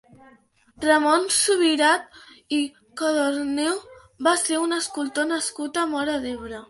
Ramon Subirat i Codorniu va ser un escultor nascut a Móra d'Ebre.